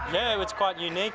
ya ini sangat unik